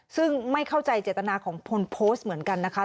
ซึ่งไม่เข้าใจเจตนาของคนโพสต์เหมือนกันนะคะ